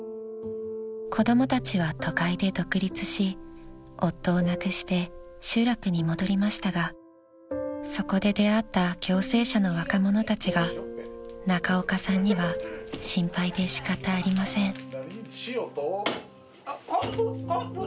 ［子供たちは都会で独立し夫を亡くして集落に戻りましたがそこで出会った共生舎の若者たちが中岡さんには心配でしかたありません］